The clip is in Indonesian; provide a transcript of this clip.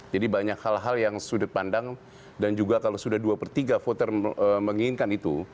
jadi banyak hal hal yang sudut pandang dan juga kalau sudah dua per tiga voter menginginkan itu